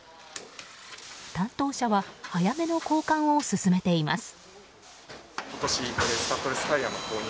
担当者は早めの交換を勧めています。